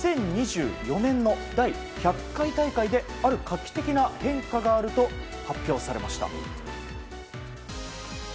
２０２４年の第１００回大会である画期的な変化があると発表されました。